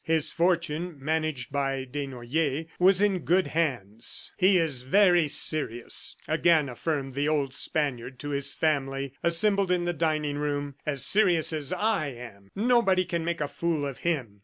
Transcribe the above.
His fortune, managed by Desnoyers, was in good hands. "He is very serious," again affirmed the old Spaniard to his family assembled in the dining roam "as serious as I am. ... Nobody can make a fool of him!"